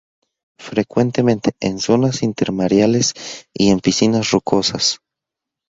Frecuentemente en zonas intermareales y en piscinas rocosas.